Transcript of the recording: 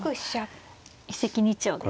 一石二鳥ですね。